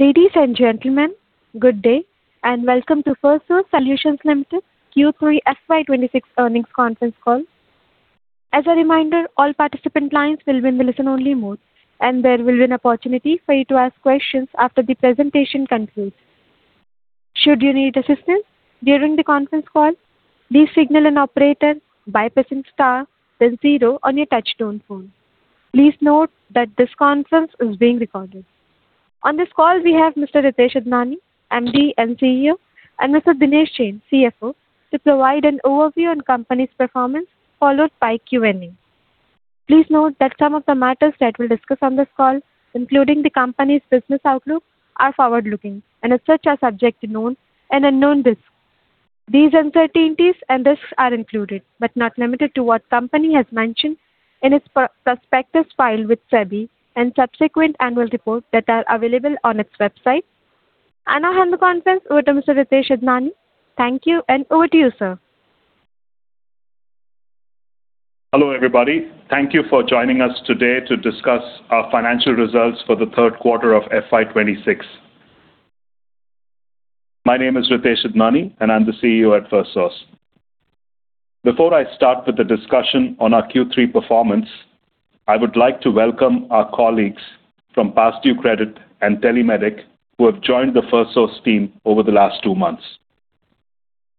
Ladies and gentlemen, good day, and welcome to Firstsource Solutions Limited Q3 FY 2026 earnings conference call. As a reminder, all participant lines will be in listen-only mode, and there will be an opportunity for you to ask questions after the presentation concludes. Should you need assistance during the conference call, please signal an operator by pressing star then zero on your touchtone phone. Please note that this conference is being recorded. On this call, we have Mr. Ritesh Idnani, MD and CEO, and Mr. Dinesh Jain, CFO, to provide an overview on the company's performance, followed by Q&A. Please note that some of the matters that we'll discuss on this call, including the company's business outlook, are forward-looking, and as such, are subject to known and unknown risks. These uncertainties and risks are included, but not limited to what the company has mentioned in its prospectus filed with SEBI and subsequent annual reports that are available on its website. I hand the conference over to Mr. Ritesh Idnani. Thank you, and over to you, sir. Hello, everybody. Thank you for joining us today to discuss our financial results for the third quarter of FY 2026. My name is Ritesh Idnani, and I'm the CEO at Firstsource. Before I start with the discussion on our Q3 performance, I would like to welcome our colleagues Past Due Credit and TeleMedik, who have joined the Firstsource team over the last two months.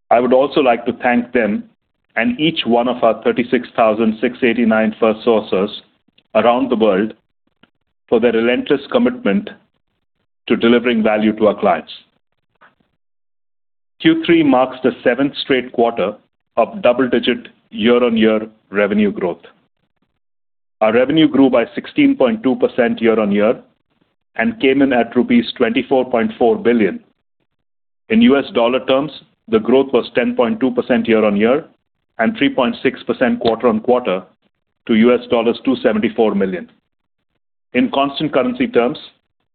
I would also like to thank them and each one of our 36,689 Firstsourcers around the world for their relentless commitment to delivering value to our clients. Q3 marks the seventh straight quarter of double-digit year-on-year revenue growth. Our revenue grew by 16.2% year-on-year and came in at rupees 24.4 billion. In US dollar terms, the growth was 10.2% year-on-year and 3.6% quarter-on-quarter to $274 million. In constant currency terms,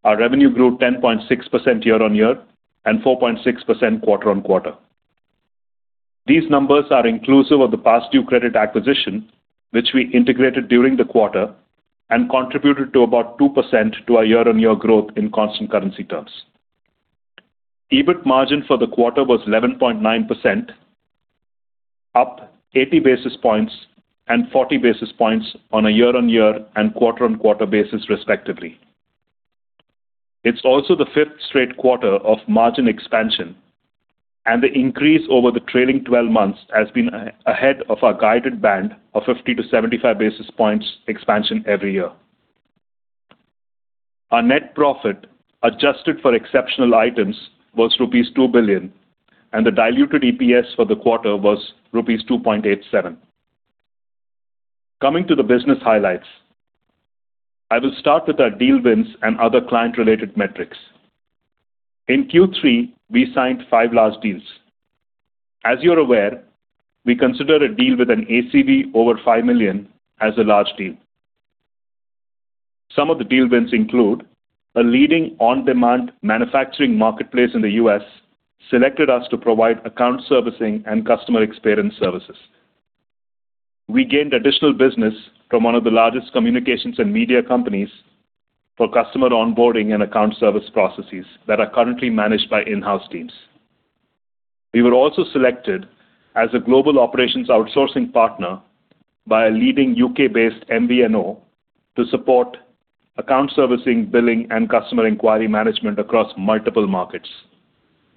our revenue grew 10.6% year-on-year and 4.6% quarter-on-quarter. These numbers are inclusive of Past Due Credit acquisition, which we integrated during the quarter and contributed to about 2% to our year-on-year growth in constant currency terms. EBIT margin for the quarter was 11.9%, up 80 basis points and 40 basis points on a year-on-year and quarter-on-quarter basis, respectively. It's also the fifth straight quarter of margin expansion, and the increase over the trailing 12 months has been ahead of our guided band of 50-75 basis points expansion every year. Our net profit, adjusted for exceptional items, was rupees 2 billion, and the diluted EPS for the quarter was rupees 2.87. Coming to the business highlights. I will start with our deal wins and other client-related metrics. In Q3, we signed five large deals. As you're aware, we consider a deal with an ACV over $5 million as a large deal. Some of the deal wins include a leading on-demand manufacturing marketplace in the U.S., selected us to provide account servicing and customer experience services. We gained additional business from one of the largest communications and media companies for customer onboarding and account service processes that are currently managed by in-house teams. We were also selected as a global operations outsourcing partner by a leading U.K.-based MVNO to support account servicing, billing, and customer inquiry management across multiple markets.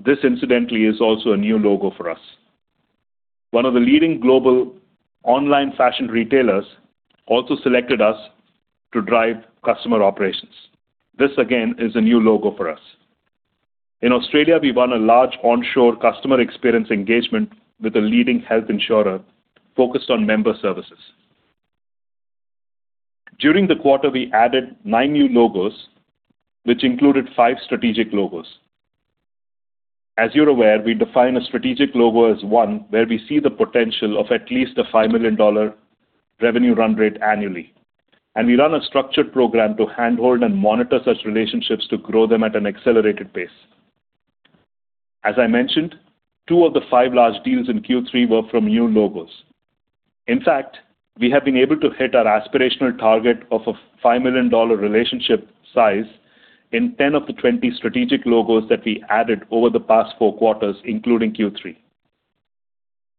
This, incidentally, is also a new logo for us. One of the leading global online fashion retailers also selected us to drive customer operations. This, again, is a new logo for us. In Australia, we won a large onshore customer experience engagement with a leading health insurer focused on member services. During the quarter, we added nine new logos, which included five strategic logos. As you're aware, we define a strategic logo as one where we see the potential of at least a $5 million revenue run rate annually, and we run a structured program to handhold and monitor such relationships to grow them at an accelerated pace. As I mentioned, two of the five large deals in Q3 were from new logos. In fact, we have been able to hit our aspirational target of a $5 million relationship size in 10 of the 20 strategic logos that we added over the past four quarters, including Q3.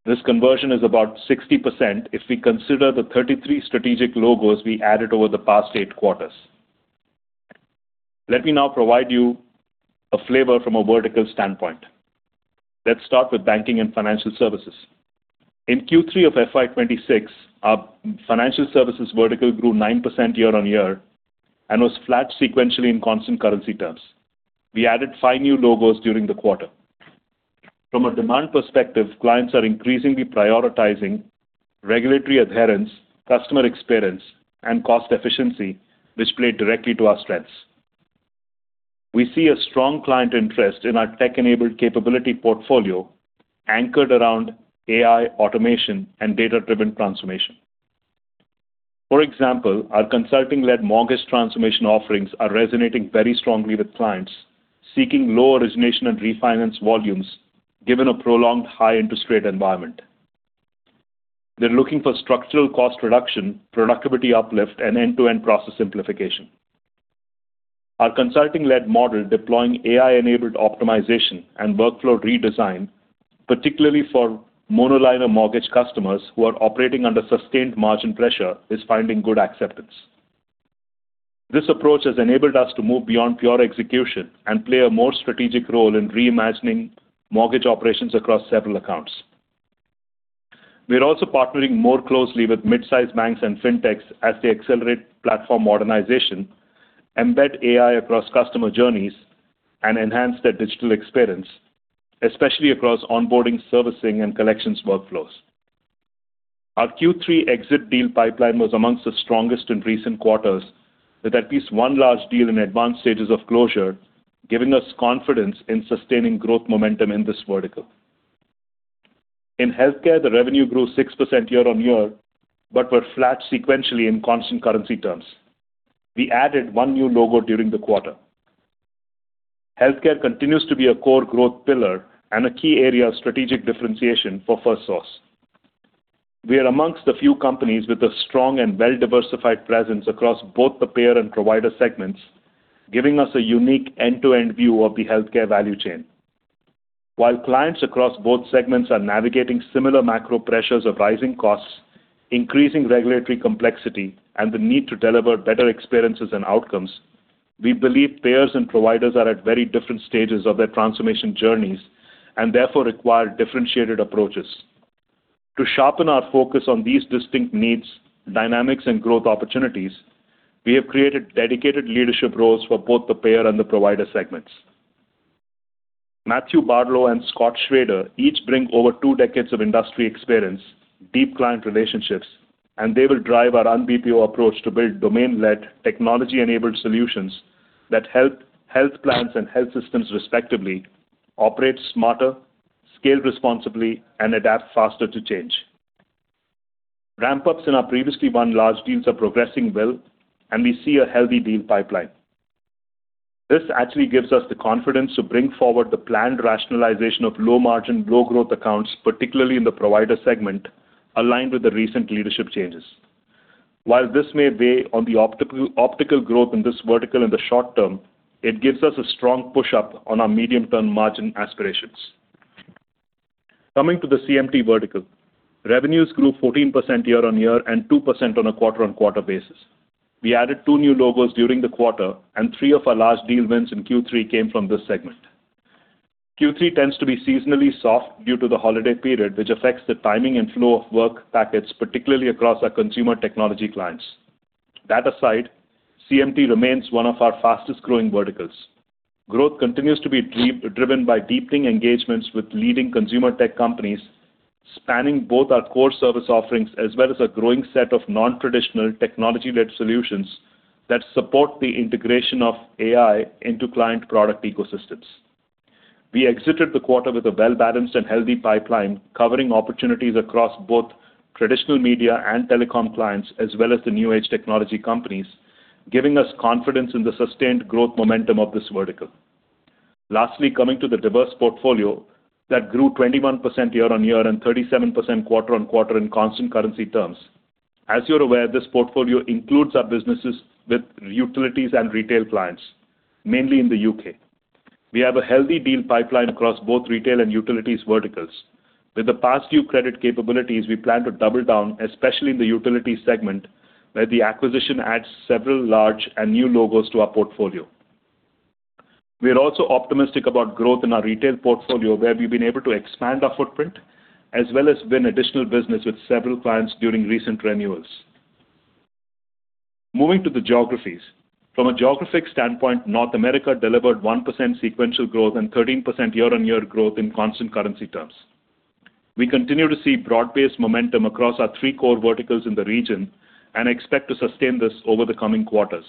This conversion is about 60% if we consider the 33 strategic logos we added over the past eight quarters. Let me now provide you a flavor from a vertical standpoint. Let's start with banking and financial services. In Q3 of FY 2026, our financial services vertical grew 9% year-on-year and was flat sequentially in constant currency terms. We added five new logos during the quarter. From a demand perspective, clients are increasingly prioritizing regulatory adherence, customer experience, and cost efficiency, which play directly to our strengths. We see a strong client interest in our tech-enabled capability portfolio, anchored around AI, automation, and data-driven transformation. For example, our consulting-led mortgage transformation offerings are resonating very strongly with clients seeking low origination and refinance volumes, given a prolonged high interest rate environment. They're looking for structural cost reduction, productivity uplift, and end-to-end process simplification. Our consulting-led model, deploying AI-enabled optimization and workflow redesign, particularly for monoline or mortgage customers who are operating under sustained margin pressure, is finding good acceptance. This approach has enabled us to move beyond pure execution and play a more strategic role in reimagining mortgage operations across several accounts. We are also partnering more closely with mid-sized banks and fintechs as they accelerate platform modernization, embed AI across customer journeys, and enhance their digital experience, especially across onboarding, servicing, and collections workflows. Our Q3 exit deal pipeline was among the strongest in recent quarters, with at least one large deal in advanced stages of closure, giving us confidence in sustaining growth momentum in this vertical. In healthcare, the revenue grew 6% year-on-year, but were flat sequentially in constant currency terms. We added one new logo during the quarter. Healthcare continues to be a core growth pillar and a key area of strategic differentiation for Firstsource. We are amongst the few companies with a strong and well-diversified presence across both the payer and provider segments, giving us a unique end-to-end view of the healthcare value chain. While clients across both segments are navigating similar macro pressures of rising costs, increasing regulatory complexity, and the need to deliver better experiences and outcomes, we believe payers and providers are at very different stages of their transformation journeys, and therefore require differentiated approaches. To sharpen our focus on these distinct needs, dynamics, and growth opportunities, we have created dedicated leadership roles for both the payer and the provider segments. Matthew Barlow and Scott Schrader each bring over two decades of industry experience, deep client relationships, and they will drive Non-BPO approach to build domain-led, technology-enabled solutions that help health plans and health systems respectively, operate smarter, scale responsibly, and adapt faster to change. Ramp-ups in our previously won large deals are progressing well, and we see a healthy deal pipeline. This actually gives us the confidence to bring forward the planned rationalization of low margin, low growth accounts, particularly in the provider segment, aligned with the recent leadership changes. While this may weigh on the optical growth in this vertical in the short term, it gives us a strong push-up on our medium-term margin aspirations. Coming to the CMT vertical, revenues grew 14% year-on-year and 2% on a quarter-on-quarter basis. We added two new logos during the quarter, and three of our large deal wins in Q3 came from this segment. Q3 tends to be seasonally soft due to the holiday period, which affects the timing and flow of work packets, particularly across our consumer technology clients. That aside, CMT remains one of our fastest-growing verticals. Growth continues to be driven by deepening engagements with leading consumer tech companies, spanning both our core service offerings as well as a growing set of non-traditional technology-led solutions that support the integration of AI into client product ecosystems. We exited the quarter with a well-balanced and healthy pipeline, covering opportunities across both traditional media and telecom clients, as well as the new age technology companies, giving us confidence in the sustained growth momentum of this vertical. Lastly, coming to the diverse portfolio that grew 21% year-on-year and 37% quarter-on-quarter in constant currency terms. As you're aware, this portfolio includes our businesses with utilities and retail clients, mainly in the U.K. We have a healthy deal pipeline across both retail and utilities verticals. With the past few credit capabilities, we plan to double down, especially in the utility segment, where the acquisition adds several large and new logos to our portfolio. We are also optimistic about growth in our retail portfolio, where we've been able to expand our footprint, as well as win additional business with several clients during recent renewals. Moving to the geographies. From a geographic standpoint, North America delivered 1% sequential growth and 13% year-on-year growth in constant currency terms. We continue to see broad-based momentum across our three core verticals in the region and expect to sustain this over the coming quarters.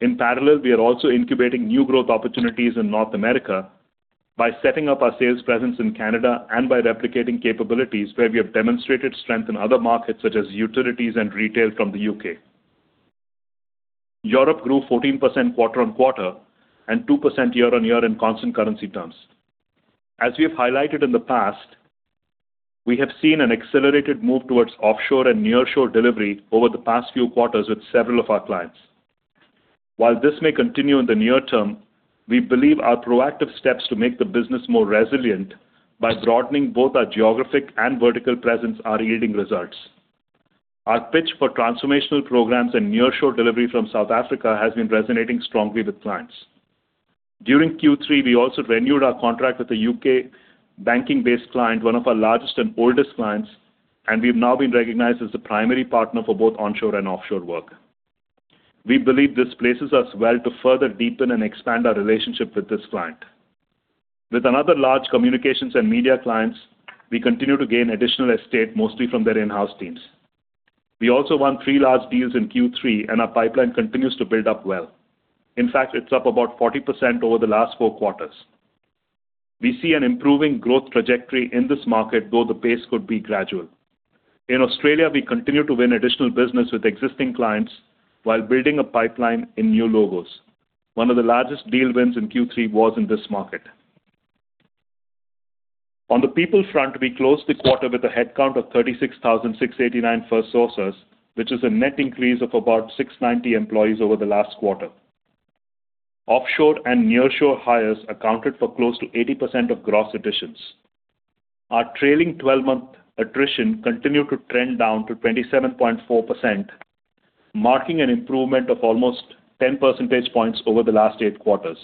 In parallel, we are also incubating new growth opportunities in North America by setting up our sales presence in Canada and by replicating capabilities where we have demonstrated strength in other markets, such as utilities and retail, from the U.K. Europe grew 14% quarter-over-quarter and 2% year-over-year in constant currency terms. As we have highlighted in the past, we have seen an accelerated move towards offshore and nearshore delivery over the past few quarters with several of our clients. While this may continue in the near term, we believe our proactive steps to make the business more resilient by broadening both our geographic and vertical presence are yielding results. Our pitch for transformational programs and nearshore delivery from South Africa has been resonating strongly with clients. During Q3, we also renewed our contract with a U.K. banking-based client, one of our largest and oldest clients, and we've now been recognized as the primary partner for both onshore and offshore work. We believe this places us well to further deepen and expand our relationship with this client. With another large communications and media clients, we continue to gain additional seats, mostly from their in-house teams. We also won three large deals in Q3, and our pipeline continues to build up well. In fact, it's up about 40% over the last four quarters. We see an improving growth trajectory in this market, though the pace could be gradual. In Australia, we continue to win additional business with existing clients while building a pipeline in new logos. One of the largest deal wins in Q3 was in this market. On the people front, we closed the quarter with a headcount of 36,689 Firstsource associates, which is a net increase of about 690 employees over the last quarter. Offshore and nearshore hires accounted for close to 80% of gross additions. Our trailing 12-month attrition continued to trend down to 27.4%, marking an improvement of almost 10 percentage points over the last eight quarters.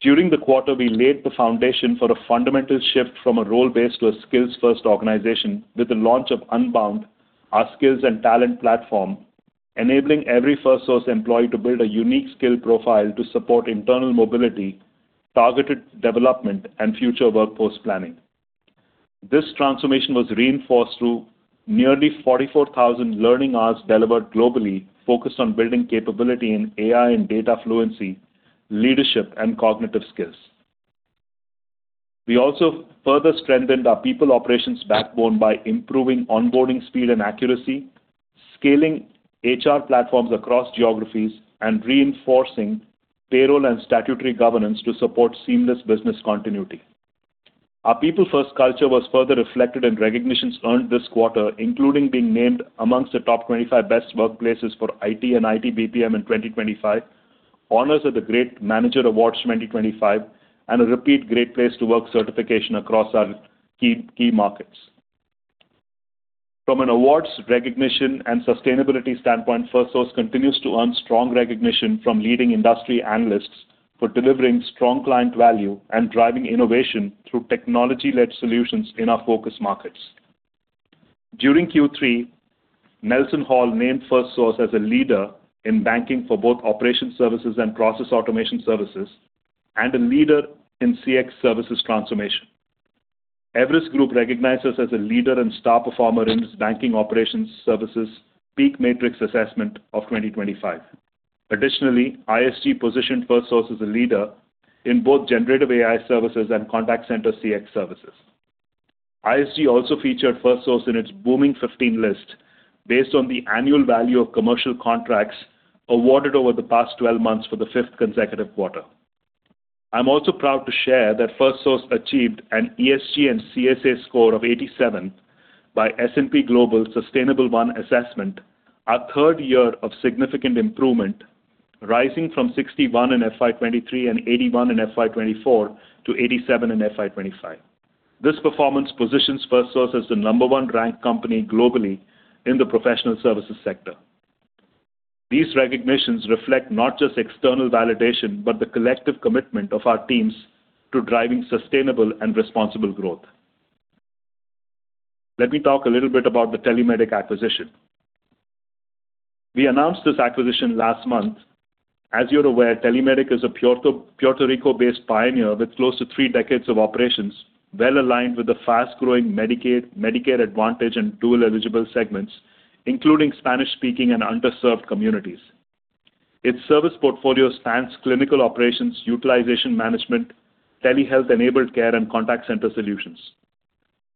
During the quarter, we laid the foundation for a fundamental shift from a role-based to a skills-first organization with the launch of Unbound, our skills and talent platform, enabling every Firstsource employee to build a unique skill profile to support internal mobility, targeted development, and future workforce planning. This transformation was reinforced through nearly 44,000 learning hours delivered globally, focused on building capability in AI and data fluency, leadership, and cognitive skills. We also further strengthened our people operations backbone by improving onboarding speed and accuracy, scaling HR platforms across geographies, and reinforcing payroll and statutory governance to support seamless business continuity. Our people-first culture was further reflected in recognitions earned this quarter, including being named among the top 25 Best Workplaces for IT and IT BPM in 2025, honors at the Great Manager Awards 2025, and a repeat Great Place to Work certification across our key, key markets. From an awards recognition and sustainability standpoint, Firstsource continues to earn strong recognition from leading industry analysts for delivering strong client value and driving innovation through technology-led solutions in our focus markets. During Q3, NelsonHall named Firstsource as a leader in banking for both operations services and process automation services, and a leader in CX services transformation. Everest Group recognized us as a leader and star performer in its banking operations services PEAK Matrix Assessment of 2025. Additionally, ISG positioned Firstsource as a leader in both generative AI services and contact center CX services. ISG also featured Firstsource in its Booming 15 list, based on the annual value of commercial contracts awarded over the past twelve months for the fifth consecutive quarter. I'm also proud to share that Firstsource achieved an ESG and CSA score of 87 by S&P Global Sustainable1 Assessment, our third year of significant improvement, rising from 61 in FY 2023 and 81 in FY 2024 to 87 in FY 2025. This performance positions Firstsource as the number one ranked company globally in the professional services sector. These recognitions reflect not just external validation, but the collective commitment of our teams to driving sustainable and responsible growth. Let me talk a little bit about the TeleMedik acquisition. We announced this acquisition last month. As you're aware, TeleMedik is a Puerto Rico-based pioneer with close to three decades of operations, well-aligned with the fast-growing Medicaid, Medicare Advantage, and dual-eligible segments, including Spanish-speaking and underserved communities. Its service portfolio spans clinical operations, utilization management, telehealth-enabled care, and contact center solutions.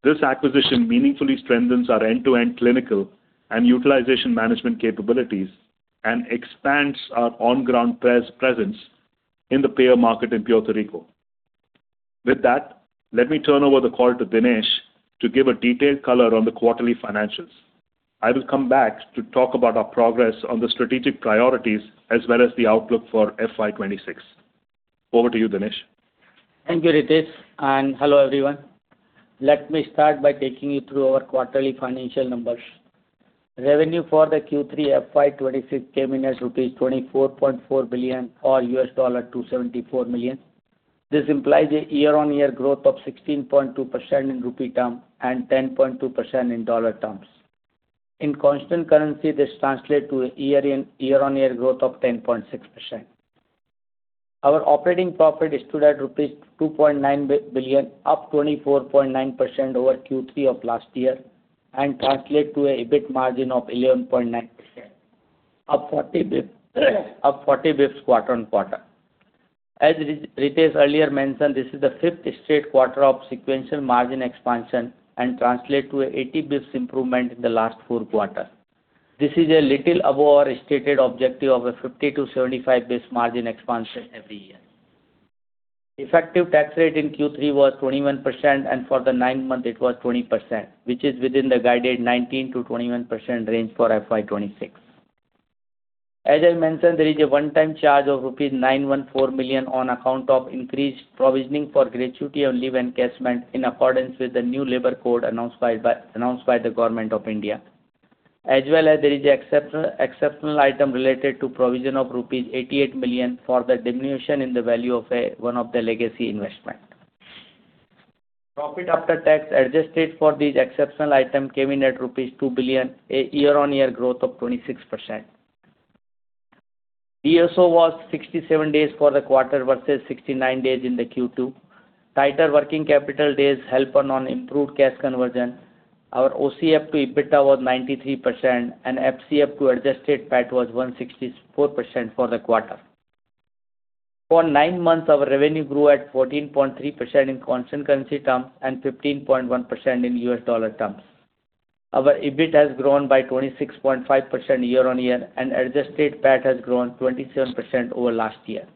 This acquisition meaningfully strengthens our end-to-end clinical and utilization management capabilities and expands our on-ground presence in the payer market in Puerto Rico. With that, let me turn over the call to Dinesh to give a detailed color on the quarterly financials. I will come back to talk about our progress on the strategic priorities, as well as the outlook for FY 2026. Over to you, Dinesh. Thank you, Ritesh, and hello, everyone. Let me start by taking you through our quarterly financial numbers. Revenue for the Q3 FY 2026 came in at INR 24.4 billion or $274 million. This implies a year-on-year growth of 16.2% in rupee terms and 10.2% in dollar terms. In constant currency, this translates to a year-on-year growth of 10.6%. Our operating profit stood at rupees 2.9 billion, up 24.9% over Q3 of last year and translates to an EBIT margin of 11.9%, up 40 basis points, up 40 basis points quarter-on-quarter. As Ritesh earlier mentioned, this is the fifth straight quarter of sequential margin expansion and translates to an 80 basis points improvement in the last four quarters. This is a little above our stated objective of a 50-75 basis points margin expansion every year. Effective tax rate in Q3 was 21%, and for the nine months, it was 20%, which is within the guided 19%-21% range for FY 2026. As I mentioned, there is a one-time charge of 914 million rupees on account of increased provisioning for gratuity on leave encashment, in accordance with the new labor code announced by the Government of India. As well as there is exceptional item related to provision of rupees 88 million for the diminution in the value of one of the legacy investment. Profit after tax, adjusted for these exceptional item, came in at rupees 2 billion, a year-on-year growth of 26%. DSO was 67 days for the quarter versus 69 days in the Q2. Tighter working capital days help on improved cash conversion. Our OCF to EBITDA was 93%, and FCF to adjusted PAT was 164% for the quarter. For nine months, our revenue grew at 14.3% in constant currency terms and 15.1% in US dollar terms. Our EBIT has grown by 26.5% year-on-year, and adjusted PAT has grown 27% over last year.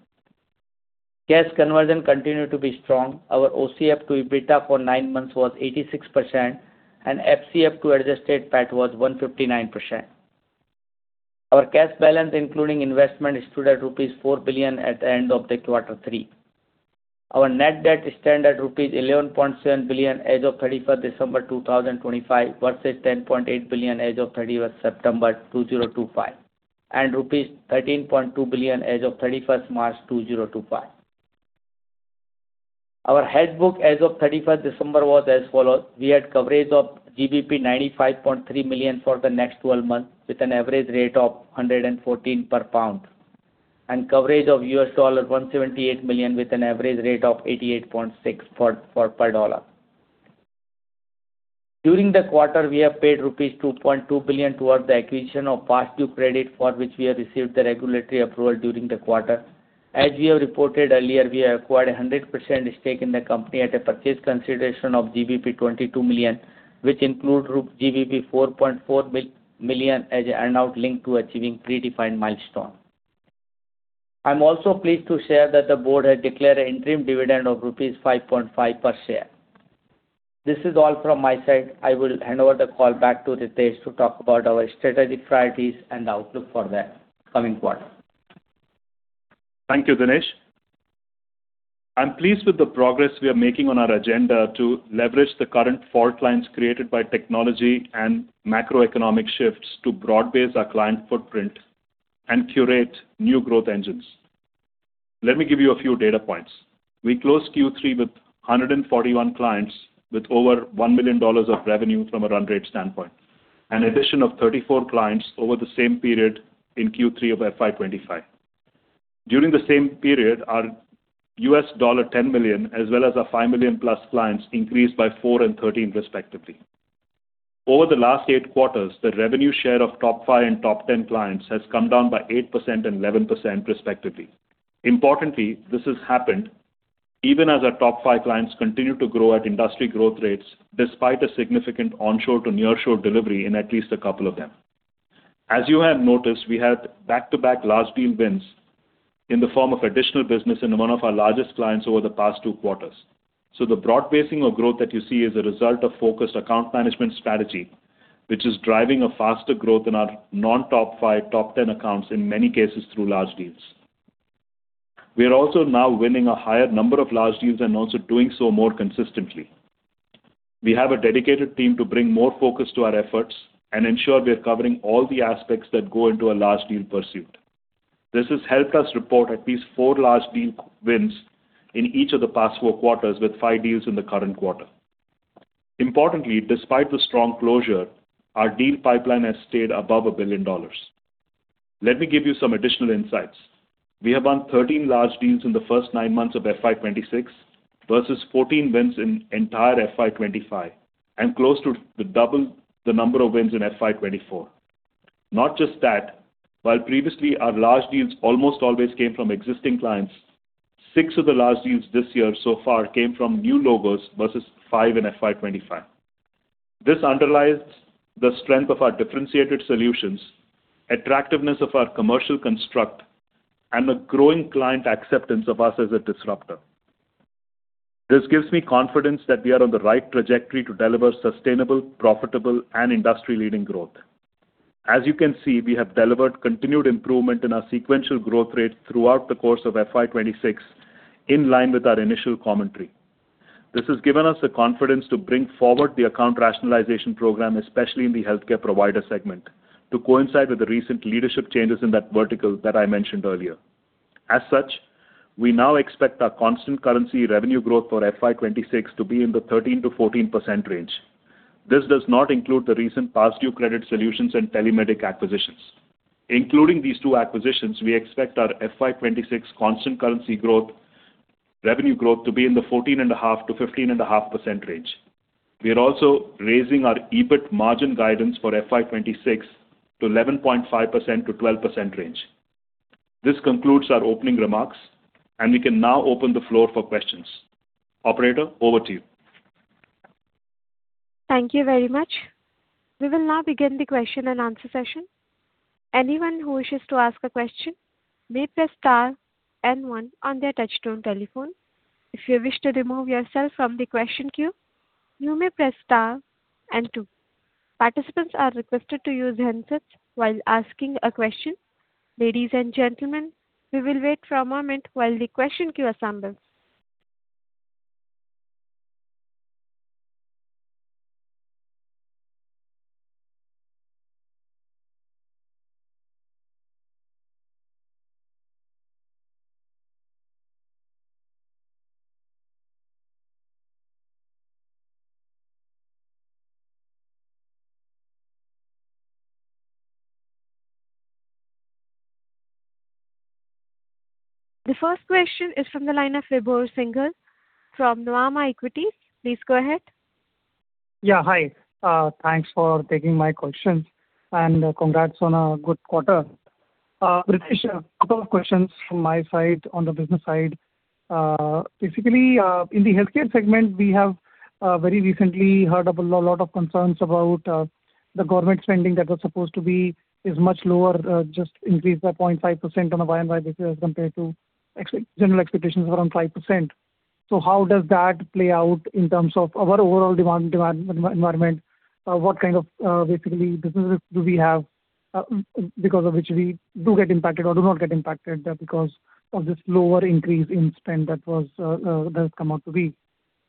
Cash conversion continued to be strong. Our OCF to EBITDA for nine months was 86%, and FCF to adjusted PAT was 159%. Our cash balance, including investment, stood at rupees 4 billion at the end of the quarter three. Our net debt stands at rupees 11.7 billion as of 31st December 2025, versus 10.8 billion as of 31st September 2025, and rupees 13.2 billion as of 31st March 2025. Our hedge book as of 31st December was as follows: We had coverage of GBP 95.3 million for the next 12 months, with an average rate of 114 per pound, and coverage of $178 million, with an average rate of 88.6 for per dollar. During the quarter, we have paid rupees 2.2 billion towards the acquisition Past Due Credit, for which we have received the regulatory approval during the quarter. As we have reported earlier, we have acquired a 100% stake in the company at a purchase consideration of GBP 22 million, which include GBP 4.4 million as an earn-out linked to achieving predefined milestone. I'm also pleased to share that the board has declared an interim dividend of rupees 5.5 per share. This is all from my side. I will hand over the call back to Ritesh to talk about our strategic priorities and the outlook for the coming quarter. Thank you, Dinesh. I'm pleased with the progress we are making on our agenda to leverage the current fault lines created by technology and macroeconomic shifts to broad base our client footprint and curate new growth engines. Let me give you a few data points. We closed Q3 with 141 clients with over $1 million of revenue from a run rate standpoint, an addition of 34 clients over the same period in Q3 of FY 2025. During the same period, our $10 million, as well as our $5+ million clients, increased by four and 13, respectively. Over the last eight quarters, the revenue share of top five and top 10 clients has come down by 8% and 11%, respectively. Importantly, this has happened even as our top five clients continue to grow at industry growth rates, despite a significant onshore to nearshore delivery in at least a couple of them. As you have noticed, we had back-to-back large deal wins in the form of additional business in one of our largest clients over the past two quarters. So the broad basing of growth that you see is a result of focused account management strategy, which is driving a faster growth in our non-top five, top 10 accounts, in many cases through large deals. We are also now winning a higher number of large deals and also doing so more consistently. We have a dedicated team to bring more focus to our efforts and ensure we are covering all the aspects that go into a large deal pursuit. This has helped us report at least four large deal wins in each of the past four quarters, with with deals in the current quarter. Importantly, despite the strong closure, our deal pipeline has stayed above $1 billion. Let me give you some additional insights. We have won 13 large deals in the first nine months of FY 2026 versus 14 wins in entire FY 2025, and close to the double the number of wins in FY 2024. Not just that, while previously our large deals almost always came from existing clients, six of the large deals this year so far came from new logos versus five in FY 2025. This underlies the strength of our differentiated solutions, attractiveness of our commercial construct, and the growing client acceptance of us as a disruptor. This gives me confidence that we are on the right trajectory to deliver sustainable, profitable and industry-leading growth. As you can see, we have delivered continued improvement in our sequential growth rate throughout the course of FY 2026, in line with our initial commentary. This has given us the confidence to bring forward the account rationalization program, especially in the healthcare provider segment, to coincide with the recent leadership changes in that vertical that I mentioned earlier. As such, we now expect our constant currency revenue growth for FY 2026 to be in the 13%-14% range. This does not include the recent Past Due Credit Solutions and TeleMedik acquisitions. Including these two acquisitions, we expect our FY 2026 constant currency growth, revenue growth to be in the 14.5%-15.5% range. We are also raising our EBIT margin guidance for FY 2026 to 11.5%-12% range. This concludes our opening remarks, and we can now open the floor for questions. Operator, over to you. Thank you very much. We will now begin the question and answer session. Anyone who wishes to ask a question may press star and one on their touchtone telephone. If you wish to remove yourself from the question queue, you may press star and two. Participants are requested to use handsets while asking a question. Ladies and gentlemen, we will wait for a moment while the question queue assembles. The first question is from the line of Vibhor Singhal from Nuvama Wealth Management. Please go ahead. Yeah, hi. Thanks for taking my question, and congrats on a good quarter. Ritesh, a couple of questions from my side on the business side. Basically, in the healthcare segment, we have very recently heard of a lot of concerns about the government spending that was supposed to be, is much lower, just increased by 0.5% on a YoY basis as compared to ex-general expectations around 5%. So how does that play out in terms of our overall demand, demand environment? What kind of basically businesses do we have because of which we do get impacted or do not get impacted because of this lower increase in spend that was that has come out to be?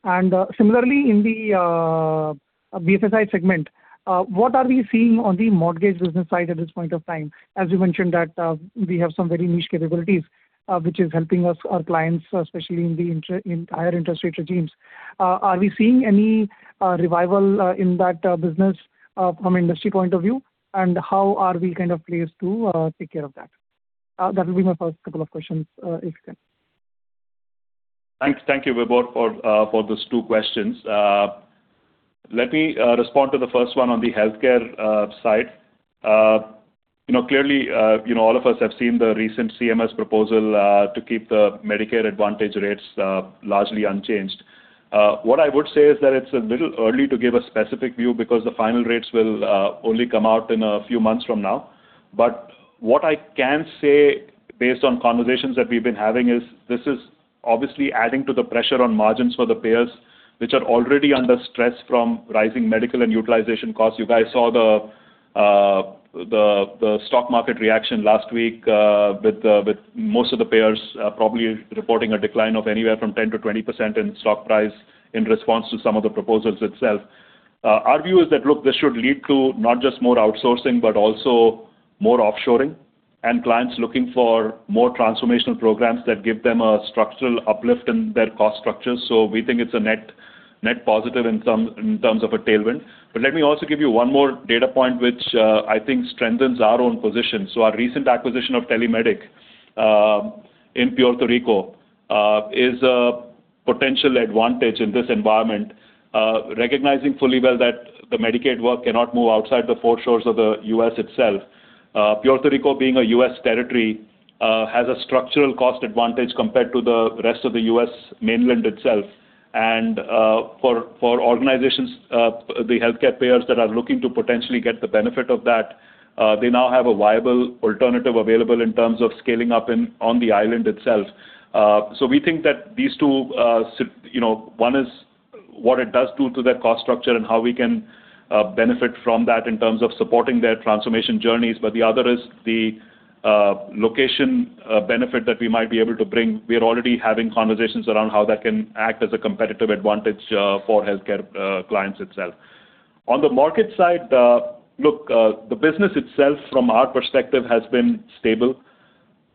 Similarly, in the BFSI segment, what are we seeing on the mortgage business side at this point of time? As you mentioned that, we have some very niche capabilities, which is helping us, our clients, especially in higher interest rate regimes. Are we seeing any revival in that business from industry point of view? And how are we kind of placed to take care of that? That will be my first couple of questions, if you can. Thanks. Thank you, Vibhor, for those two questions. Let me respond to the first one on the healthcare side. You know, clearly, you know, all of us have seen the recent CMS proposal to keep the Medicare Advantage rates largely unchanged. What I would say is that it's a little early to give a specific view because the final rates will only come out in a few months from now. But what I can say, based on conversations that we've been having, is this is obviously adding to the pressure on margins for the payers, which are already under stress from rising medical and utilization costs. You guys saw the stock market reaction last week with most of the payers probably reporting a decline of anywhere from 10%-20% in stock price in response to some of the proposals itself. Our view is that, look, this should lead to not just more outsourcing, but also more offshoring and clients looking for more transformational programs that give them a structural uplift in their cost structure. So we think it's a net positive in terms of a tailwind. But let me also give you one more data point, which I think strengthens our own position. So our recent acquisition of TeleMedik in Puerto Rico is a potential advantage in this environment. Recognizing fully well that the Medicaid work cannot move outside the four shores of the U.S. itself, Puerto Rico, being a U.S. territory, has a structural cost advantage compared to the rest of the U.S. mainland itself. For organizations, the healthcare payers that are looking to potentially get the benefit of that, they now have a viable alternative available in terms of scaling up on the island itself. So we think that these two, you know, one is what it does do to their cost structure and how we can benefit from that in terms of supporting their transformation journeys. But the other is the location benefit that we might be able to bring. We are already having conversations around how that can act as a competitive advantage for healthcare clients itself. On the market side, look, the business itself, from our perspective, has been stable.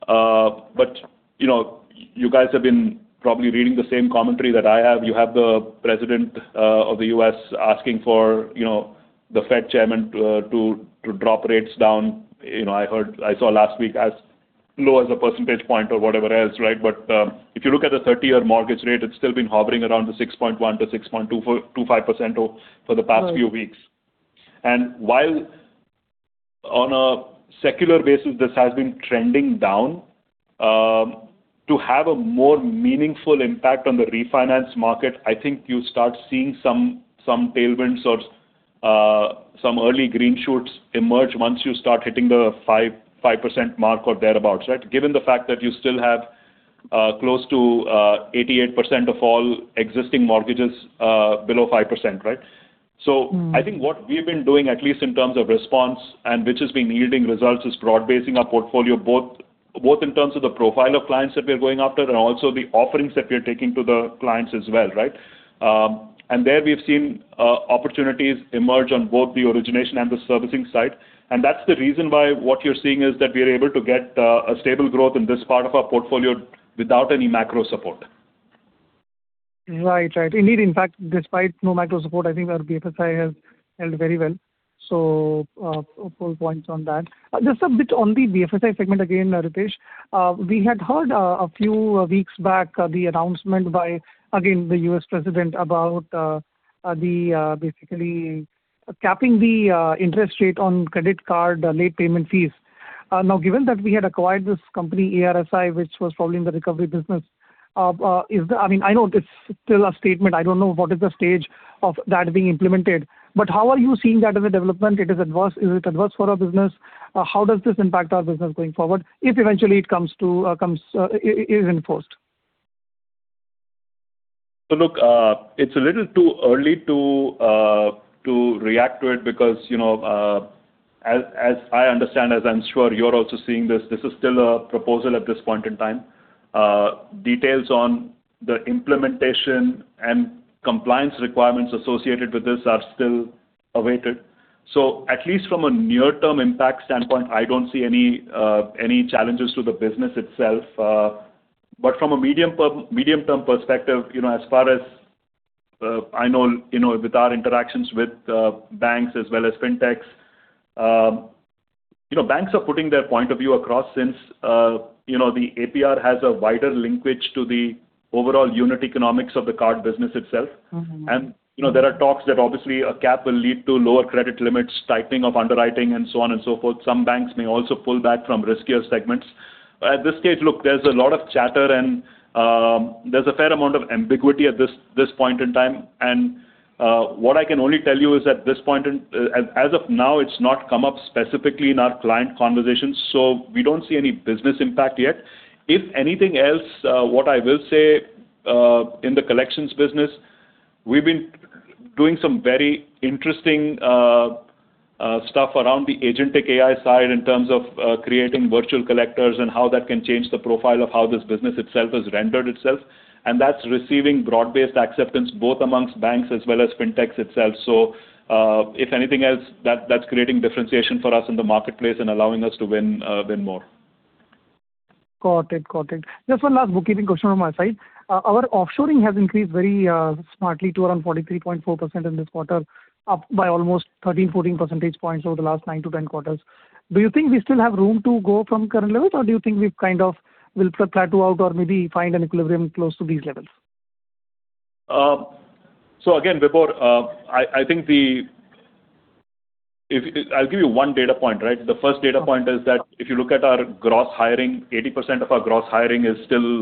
But, you know, you guys have been probably reading the same commentary that I have. You have the president of the U.S. asking for, you know, the Fed chairman to drop rates down. You know, I saw last week, as low as a percentage point or whatever else, right? But, if you look at the 30-year mortgage rate, it's still been hovering around the 6.1%-6.225% for the past few weeks. While on a secular basis, this has been trending down, to have a more meaningful impact on the refinance market, I think you start seeing some tailwinds or some early green shoots emerge once you start hitting the 5% mark or thereabout, right? Given the fact that you still have close to 88% of all existing mortgages below 5%, right? So I think what we've been doing, at least in terms of response and which has been yielding results, is broad-basing our portfolio, both, both in terms of the profile of clients that we are going after and also the offerings that we are taking to the clients as well, right? And there we have seen opportunities emerge on both the origination and the servicing side. And that's the reason why what you're seeing is that we are able to get a stable growth in this part of our portfolio without any macro support. Right. Right. Indeed, in fact, despite no macro support, I think our BFSI has held very well. So, full points on that. Just a bit on the BFSI segment again, Ritesh. We had heard a few weeks back the announcement by, again, the U.S. president about basically capping the interest rate on credit card late payment fees. Now, given that we had acquired this company, ARSI, which was probably in the recovery business, is the... I mean, I know it's still a statement. I don't know what is the stage of that being implemented, but how are you seeing that as a development? It is adverse-- Is it adverse for our business? How does this impact our business going forward, if eventually it comes to, comes, is enforced? So look, it's a little too early to react to it because, you know, as I understand, as I'm sure you're also seeing this, this is still a proposal at this point in time. Details on the implementation and compliance requirements associated with this are still awaited. So at least from a near-term impact standpoint, I don't see any challenges to the business itself. But from a medium-term perspective, you know, as far as I know, you know, with our interactions with banks as well as fintechs, you know, banks are putting their point of view across since, you know, the APR has a wider linkage to the overall unit economics of the card business itself. You know, there are talks that obviously a cap will lead to lower credit limits, tightening of underwriting, and so on and so forth. Some banks may also pull back from riskier segments. At this stage, look, there's a lot of chatter and, there's a fair amount of ambiguity at this point in time. And, what I can only tell you is as of now, it's not come up specifically in our client conversations, so we don't see any business impact yet. If anything else, what I will say, in the collections business, we've been doing some very interesting, stuff around the agentic AI side in terms of, creating virtual collectors and how that can change the profile of how this business itself has rendered itself. That's receiving broad-based acceptance, both among banks as well as fintechs itself. So, if anything else, that's creating differentiation for us in the marketplace and allowing us to win more. Got it. Got it. Just one last bookkeeping question on my side. Our offshoring has increased very smartly to around 43.4% in this quarter, up by almost 13-14 percentage points over the last nine to 10 quarters. Do you think we still have room to go from current levels, or do you think we've kind of will plateau out or maybe find an equilibrium close to these levels? So again, Vibhor, I think. If I'll give you one data point, right? The first data point is that if you look at our gross hiring, 80% of our gross hiring is still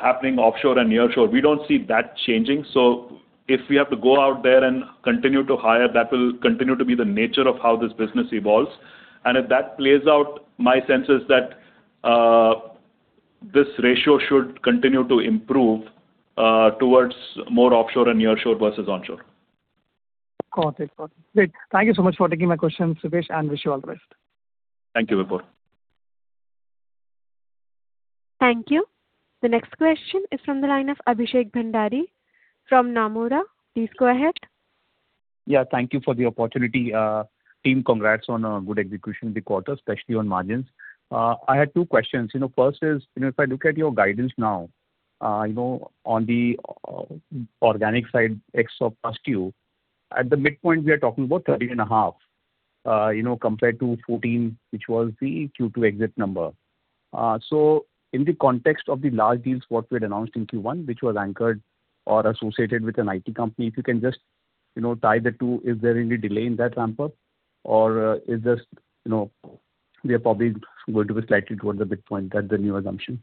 happening offshore and nearshore. We don't see that changing. So if we have to go out there and continue to hire, that will continue to be the nature of how this business evolves. And if that plays out, my sense is that this ratio should continue to improve towards more offshore and nearshore versus onshore. Got it. Got it. Great. Thank you so much for taking my questions, Ritesh, and wish you all the best. Thank you, Vibhor. Thank you. The next question is from the line of Abhishek Bhandari from Nomura. Please go ahead. Yeah, thank you for the opportunity. Team, congrats on a good execution this quarter, especially on margins. I had two questions. You know, first is, you know, if I look at your guidance now, you know, on the organic side, ex of Pastdue, at the midpoint, we are talking about 13.5, you know, compared to 14, which was the Q2 exit number. So in the context of the large deals, what we had announced in Q1, which was anchored or associated with an IT company, if you can just, you know, tie the two, is there any delay in that ramp-up? Or, is this, you know, we are probably going to be slightly towards the midpoint at the new assumption.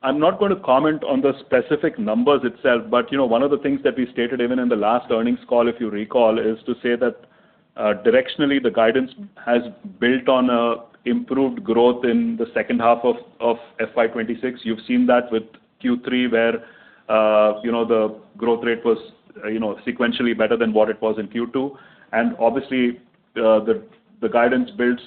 I'm not going to comment on the specific numbers itself, but, you know, one of the things that we stated even in the last earnings call, if you recall, is to say that, directionally, the guidance has built on a improved growth in the second half of FY 2026. You've seen that with Q3, where, you know, the growth rate was, you know, sequentially better than what it was in Q2. And obviously, the guidance builds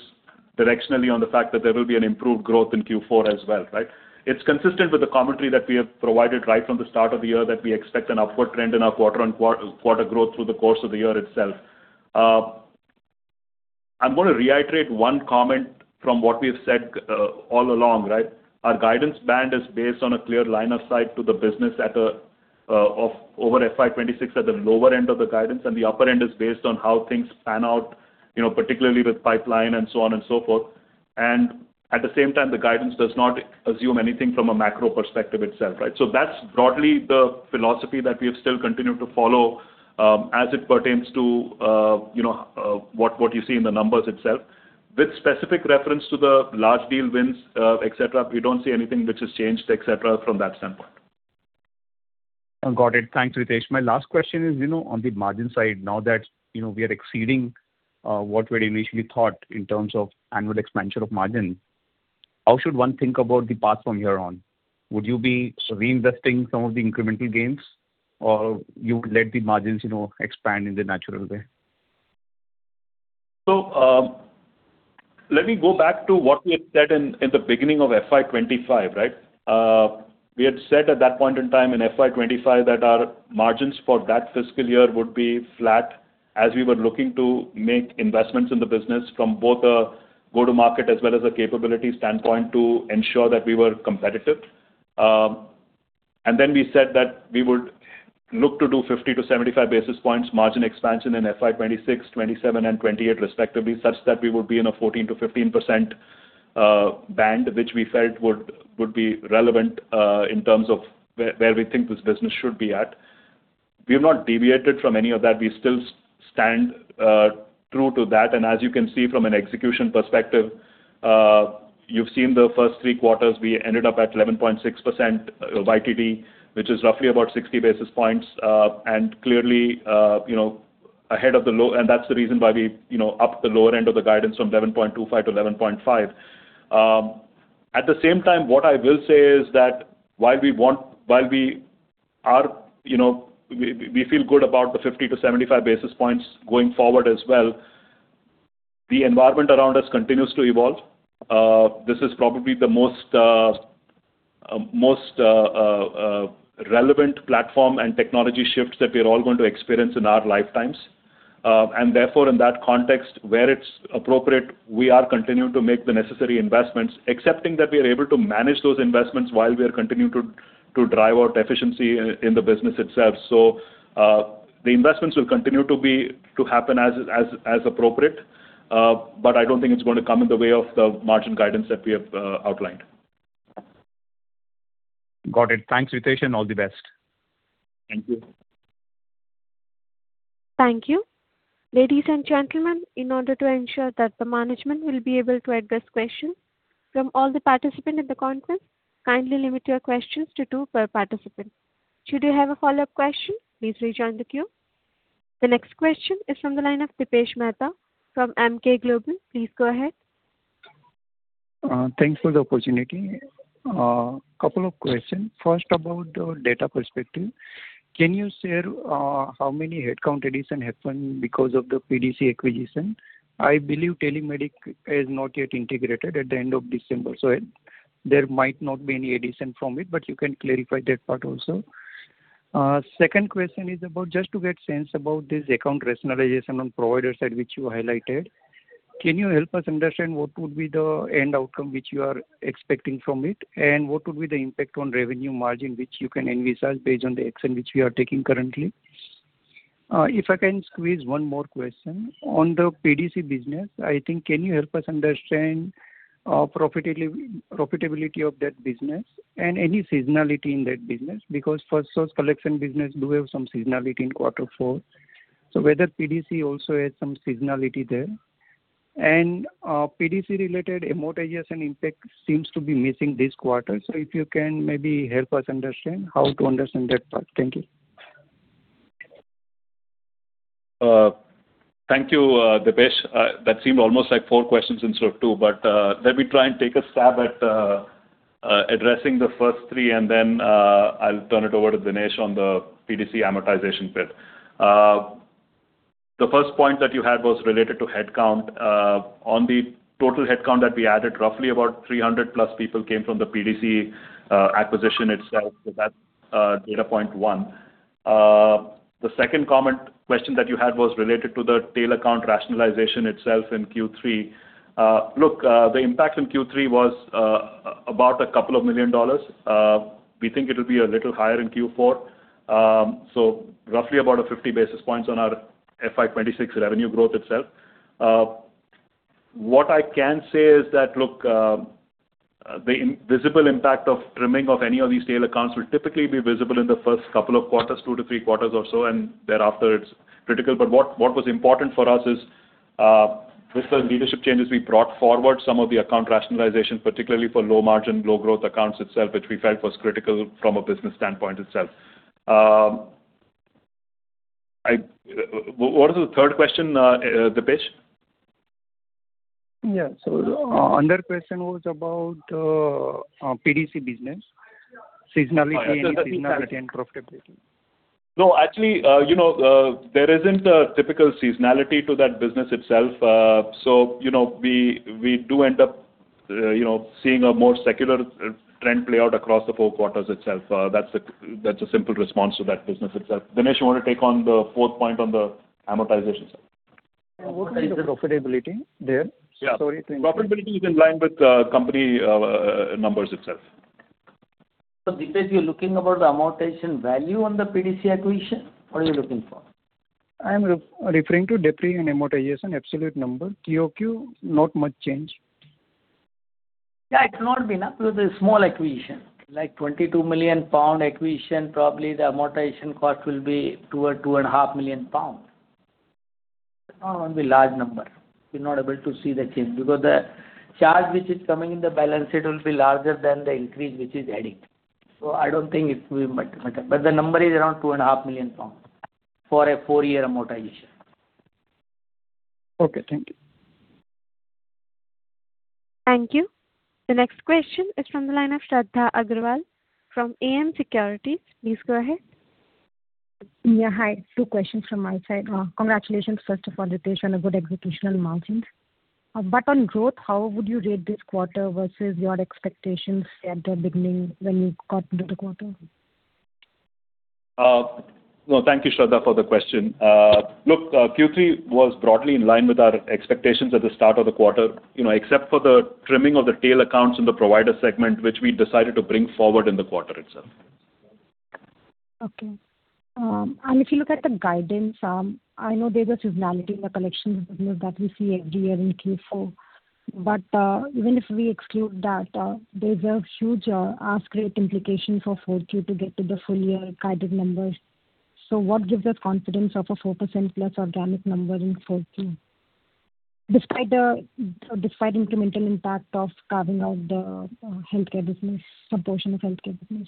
directionally on the fact that there will be an improved growth in Q4 as well, right? It's consistent with the commentary that we have provided right from the start of the year, that we expect an upward trend in our quarter-on-quarter growth through the course of the year itself. I'm gonna reiterate one comment from what we've said, all along, right? Our guidance band is based on a clear line of sight to the business at a, of over FY 2026 at the lower end of the guidance, and the upper end is based on how things pan out, you know, particularly with pipeline and so on and so forth. And at the same time, the guidance does not assume anything from a macro perspective itself, right? So that's broadly the philosophy that we have still continued to follow, as it pertains to, you know, what, what you see in the numbers itself. With specific reference to the large deal wins, et cetera, we don't see anything which has changed, et cetera, from that standpoint. Got it. Thanks, Ritesh. My last question is, you know, on the margin side, now that, you know, we are exceeding what we had initially thought in terms of annual expansion of margin, how should one think about the path from here on? Would you be reinvesting some of the incremental gains, or you would let the margins, you know, expand in the natural way? So, let me go back to what we had said in the beginning of FY 2025, right? We had said at that point in time, in FY 2025, that our margins for that fiscal year would be flat, as we were looking to make investments in the business from both a go-to-market as well as a capability standpoint, to ensure that we were competitive. And then we said that we would look to do 50-75 basis points margin expansion in FY 2026, 2027 and 2028 respectively, such that we would be in a 14%-15% band, which we felt would be relevant, in terms of where we think this business should be at. We have not deviated from any of that. We still stand true to that, and as you can see from an execution perspective, you've seen the first three quarters, we ended up at 11.6% YTD, which is roughly about 60 basis points. And clearly, you know, ahead of the low end and that's the reason why we, you know, upped the lower end of the guidance from 11.25 to 11.5. At the same time, what I will say is that while we are, you know, we feel good about the 50-75 basis points going forward as well, the environment around us continues to evolve. This is probably the most relevant platform and technology shifts that we're all going to experience in our lifetimes. And therefore, in that context, where it's appropriate, we are continuing to make the necessary investments, accepting that we are able to manage those investments while we are continuing to drive out efficiency in the business itself. So, the investments will continue to be to happen as appropriate, but I don't think it's going to come in the way of the margin guidance that we have outlined. Got it. Thanks, Ritesh, and all the best. Thank you. Thank you. Ladies and gentlemen, in order to ensure that the management will be able to address questions from all the participants in the conference, kindly limit your questions to two per participant. Should you have a follow-up question, please rejoin the queue. The next question is from the line of Dipesh Mehta from Emkay Global. Please go ahead. Thanks for the opportunity. Couple of questions. First, about the data perspective, can you share how many headcount addition happened because of the PDC acquisition? I believe TeleMedik is not yet integrated at the end of December, so there might not be any addition from it, but you can clarify that part also. Second question is about just to get sense about this account rationalization on provider side, which you highlighted. Can you help us understand what would be the end outcome which you are expecting from it? And what would be the impact on revenue margin, which you can envisage based on the action which we are taking currently? If I can squeeze one more question. On the PDC business, I think, can you help us understand profitability, profitability of that business and any seasonality in that business? Because Firstsource collection business does have some seasonality in quarter four, so whether PDC also has some seasonality there. PDC-related amortization impact seems to be missing this quarter, so if you can maybe help us understand how to understand that part. Thank you. Thank you, Dipesh. That seemed almost like four questions instead of two, but, let me try and take a stab at addressing the first three, and then, I'll turn it over to Dinesh on the PDC amortization bit. The first point that you had was related to headcount. On the total headcount that we added, roughly about 300+ people came from the PDC acquisition itself. So that's, data point one. The second comment, question that you had was related to the tail account rationalization itself in Q3. Look, the impact in Q3 was, about $2 million. We think it'll be a little higher in Q4. So roughly about 50 basis points on our FY 2026 revenue growth itself. What I can say is that, look, the invisible impact of trimming of any of these tail accounts will typically be visible in the first couple of quarters, two to three quarters or so, and thereafter it's critical. But what was important for us is, with the leadership changes, we brought forward some of the account rationalization, particularly for low margin, low growth accounts itself, which we felt was critical from a business standpoint itself. What was the third question, Dipesh? Yeah. So, another question was about PDC business. Seasonality- Oh, yeah. Seasonality and profitability. No, actually, you know, there isn't a typical seasonality to that business itself. So, you know, we do end up, you know, seeing a more secular trend play out across the four quarters itself. That's a simple response to that business itself. Dinesh, you want to take on the fourth point on the amortization side? What is the profitability there? Yeah. Sorry. Profitability is in line with company numbers itself. So Dipesh, you're looking about the amortization value on the PDC acquisition? What are you looking for? I'm referring to depreciation and amortization, absolute number. QOQ, not much change. Yeah, it cannot be, na, because it's a small acquisition. Like 22 million pound acquisition, probably the amortization cost will be 2 million pound or GBP 2.5 million. It not gonna be large number. You're not able to see the change because the charge which is coming in the balance sheet will be larger than the increase, which is adding. So I don't think it will matter, but the number is around 2.5 million pounds for a four-year amortization. Okay, thank you. Thank you. The next question is from the line of Shraddha Agarwal from AM Securities. Please go ahead. Yeah, hi. Two questions from my side. Congratulations, first of all, Ritesh, on a good execution on margins. But on growth, how would you rate this quarter versus your expectations at the beginning when you got into the quarter? Well, thank you, Shraddha, for the question. Look, Q3 was broadly in line with our expectations at the start of the quarter, you know, except for the trimming of the tail accounts in the provider segment, which we decided to bring forward in the quarter itself. Okay. And if you look at the guidance, I know there's a seasonality in the collections business that we see every year in Q4. But even if we exclude that, there's a huge ask rate implication for 4Q to get to the full year guided numbers. So what gives us confidence of a 4%+ organic number in 4Q, despite incremental impact of carving out the healthcare business, some portion of healthcare business?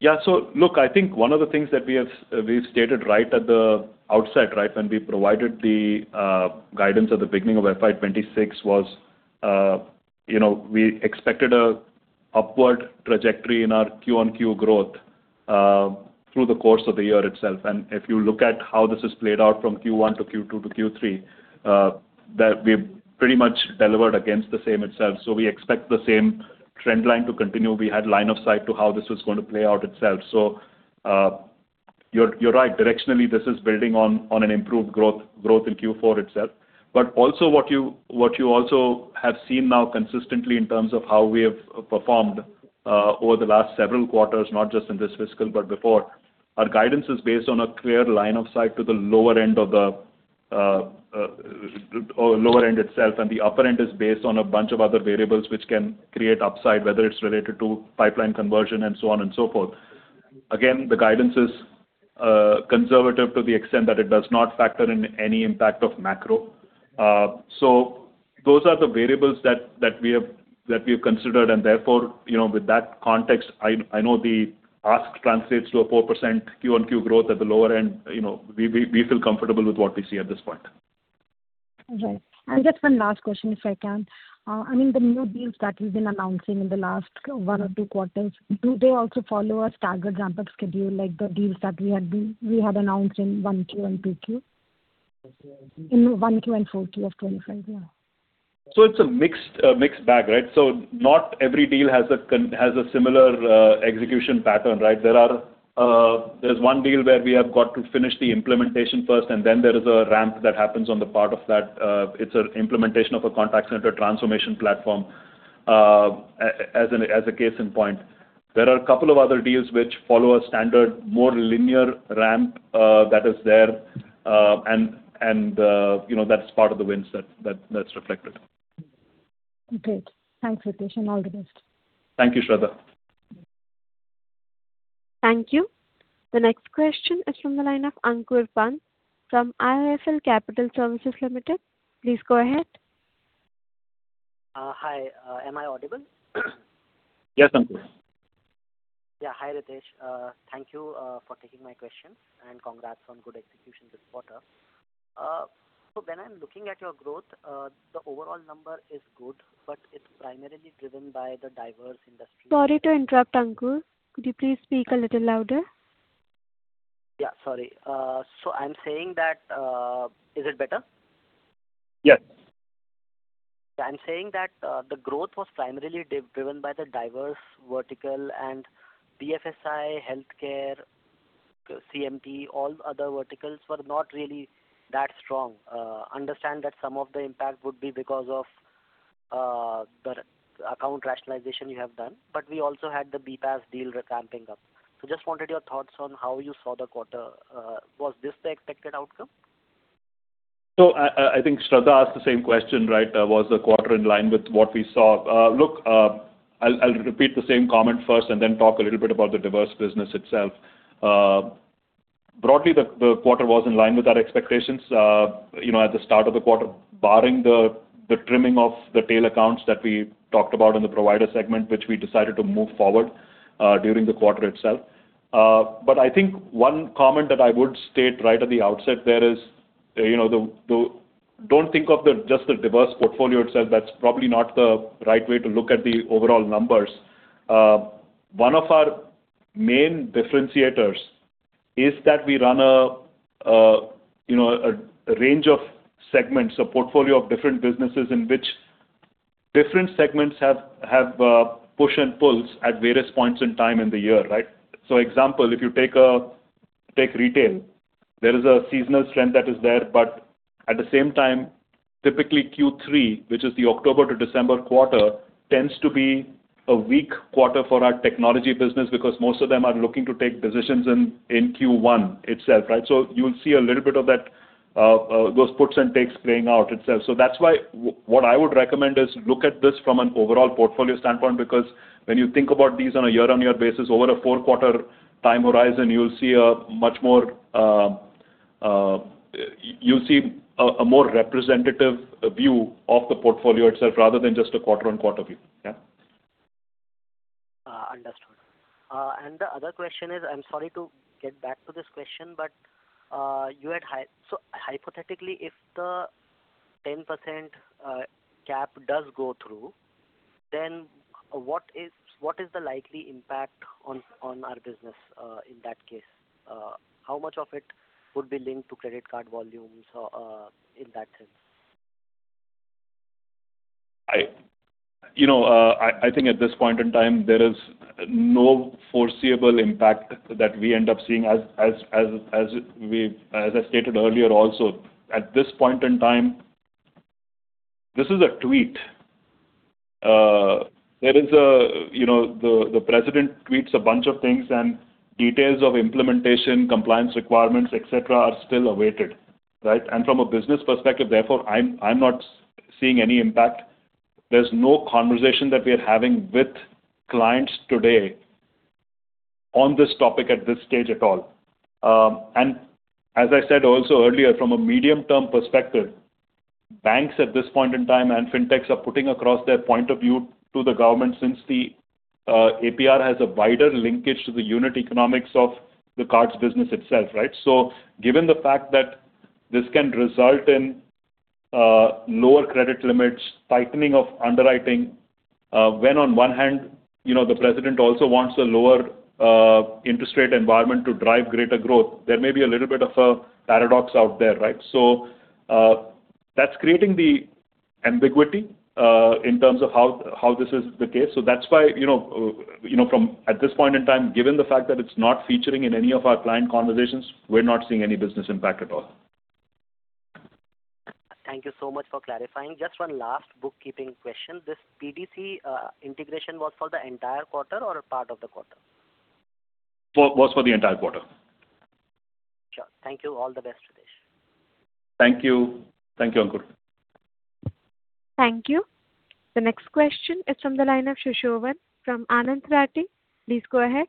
Yeah, so look, I think one of the things that we have, we've stated right at the outset, right, when we provided the guidance at the beginning of FY 2026 was, you know, we expected an upward trajectory in our QoQ growth through the course of the year itself. And if you look at how this has played out from Q1 to Q2 to Q3, that we've pretty much delivered against the same itself. So we expect the same trend line to continue. We had line of sight to how this was going to play out itself. So, you're right. Directionally, this is building on an improved growth, growth in Q4 itself. But also what you, what you also have seen now consistently in terms of how we have performed over the last several quarters, not just in this fiscal, but before, our guidance is based on a clear line of sight to the lower end or lower end itself, and the upper end is based on a bunch of other variables which can create upside, whether it's related to pipeline conversion, and so on and so forth. Again, the guidance is conservative to the extent that it does not factor in any impact of macro. So those are the variables that we have considered, and therefore, you know, with that context, I know the ask translates to a 4% QoQ growth at the lower end. You know, we feel comfortable with what we see at this point. Right. Just one last question, if I can. I mean, the new deals that you've been announcing in the last one or two quarters, do they also follow a staggered ramp-up schedule, like the deals that we had announced in Q1 and Q2? Q1 and Q2. In Q1 and Q1 of 2025, yeah. So it's a mixed, mixed bag, right? So not every deal has a similar execution pattern, right? There are, there's one deal where we have got to finish the implementation first, and then there is a ramp that happens on the part of that. It's an implementation of a contact center transformation platform, as an, as a case in point. There are a couple of other deals which follow a standard, more linear ramp, that is there. And, and, you know, that's part of the wins that, that, that's reflected. Great. Thanks, Ritesh, and all the best. Thank you, Shraddha. Thank you. The next question is from the line of Ankur Pant from IIFL Capital Services Limited. Please go ahead. Hi, am I audible? Yes, Ankur. Yeah. Hi, Ritesh. Thank you for taking my question, and congrats on good execution this quarter. So when I'm looking at your growth, the overall number is good, but it's primarily driven by the diverse industry- Sorry to interrupt, Ankur. Could you please speak a little louder? Yeah, sorry. So I'm saying that... Is it better? Yes. I'm saying that, the growth was primarily driven by the diverse vertical and BFSI, healthcare, CMT, all other verticals were not really that strong. Understand that some of the impact would be because of, the account rationalization you have done, but we also had the BPAS deal ramping up. So just wanted your thoughts on how you saw the quarter. Was this the expected outcome? So I think Shraddha asked the same question, right? Was the quarter in line with what we saw? Look, I'll repeat the same comment first and then talk a little bit about the diverse business itself. Broadly, the quarter was in line with our expectations. You know, at the start of the quarter, barring the trimming of the tail accounts that we talked about in the provider segment, which we decided to move forward during the quarter itself. But I think one comment that I would state right at the outset there is, you know, don't think of just the diverse portfolio itself. That's probably not the right way to look at the overall numbers. One of our main differentiators is that we run a, you know, a range of segments, a portfolio of different businesses in which different segments have push and pulls at various points in time in the year, right? So example, if you take retail, there is a seasonal trend that is there, but at the same time, typically Q3, which is the October to December quarter, tends to be a weak quarter for our technology business because most of them are looking to take decisions in Q1 itself, right? So you'll see a little bit of that those puts and takes playing out itself. So that's why what I would recommend is look at this from an overall portfolio standpoint, because when you think about these on a year-on-year basis, over a four-quarter time horizon, you'll see a much more. You'll see a more representative view of the portfolio itself rather than just a quarter-over-quarter view. Yeah. Understood. And the other question is, I'm sorry to get back to this question, but so hypothetically, if the 10% cap does go through, then what is, what is the likely impact on, on our business, in that case? How much of it would be linked to credit card volumes or, in that sense? You know, I think at this point in time, there is no foreseeable impact that we end up seeing as I stated earlier, also, at this point in time, this is a tweet. There is a, you know, the president tweets a bunch of things and details of implementation, compliance requirements, et cetera, are still awaited, right? And from a business perspective, therefore, I'm not seeing any impact. There's no conversation that we are having with clients today on this topic, at this stage at all. And as I said also earlier, from a medium-term perspective, banks at this point in time, and fintechs are putting across their point of view to the government since the APR has a wider linkage to the unit economics of the cards business itself, right? So given the fact that this can result in lower credit limits, tightening of underwriting, when on one hand, you know, the president also wants a lower interest rate environment to drive greater growth, there may be a little bit of a paradox out there, right? So, that's creating the ambiguity in terms of how this is the case. So that's why, you know, you know, from at this point in time, given the fact that it's not featuring in any of our client conversations, we're not seeing any business impact at all. Thank you so much for clarifying. Just one last bookkeeping question. This PDC integration was for the entire quarter or a part of the quarter? Was for the entire quarter. Sure. Thank you. All the best, Ritesh. Thank you. Thank you, Ankur. Thank you. The next question is from the line of Sushovan from Anand Rathi. Please go ahead.